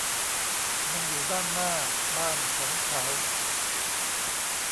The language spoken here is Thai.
มันอยู่ด้านหน้าบ้านของเขา